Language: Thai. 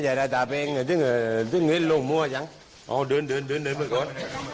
ชิคกี้พายที่เวียด่วนเธอกลงมาเรื่องนี้นะครับ